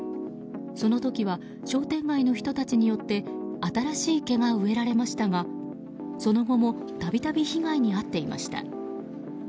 その時は商店街の人たちによって新しい毛が植えられましたがその後もたびたび被害に遭っていました。